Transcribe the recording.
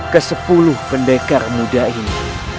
ke sepuluh pendekar muda ini